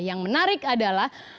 yang menarik adalah